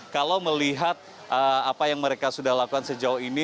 kalau melihat apa yang mereka sudah lakukan sejauh ini